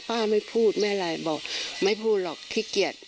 ไม่พูดไม่อะไรบอกไม่พูดหรอกขี้เกียจ